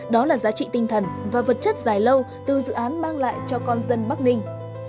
đó là giá trị tinh thần và vật chất dài lâu từ dự án mang lại cho con dân bắc ninh